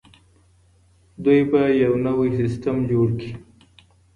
دوی به يو نوی سيستم جوړ کړي.